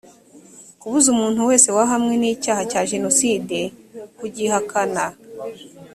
kubuza umuntu wese wahamwe n’icyaha cya jenoside kugihakana